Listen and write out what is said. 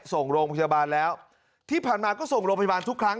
ส่งโรงพยาบาลแล้วที่ผ่านมาก็ส่งโรงพยาบาลทุกครั้ง